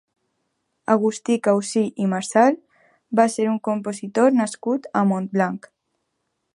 Agustí Causí i Marsal va ser un compositor nascut a Montblanc.